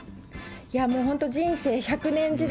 もう本当、人生１００年時代